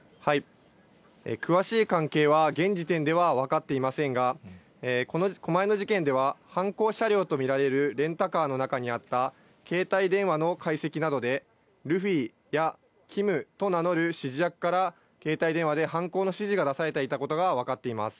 詳しい関係は、現時点では分かっていませんが、狛江の事件では、犯行車両と見られるレンタカーの中にあった携帯電話の解析などで、ルフィや、キムと名乗る指示役から、携帯電話で犯行の指示が出されていたことが分かっています。